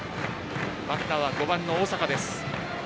バッターは５番の大坂。